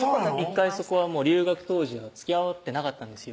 １回そこはもう留学当時はつきあってなかったんですよ